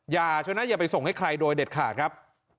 อย่าช่วยนะอย่าไปส่งให้ใครโดยเด็ดขาดครับ